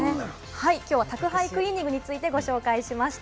きょうは宅配クリーニングについてご紹介しました。